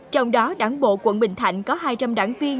trong đó đảng bộ quận bình thạnh có hai trăm linh đảng viên